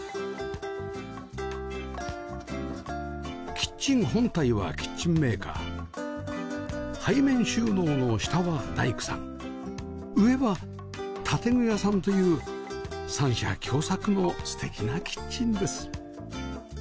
キッチン本体はキッチンメーカー背面収納の下は大工さん上は建具屋さんという三者競作の素敵なキッチンです